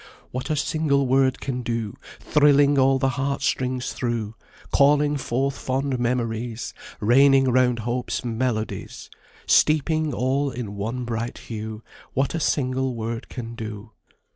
'What a single word can do! Thrilling all the heart strings through, Calling forth fond memories, Raining round hope's melodies, Steeping all in one bright hue What a single word can do!'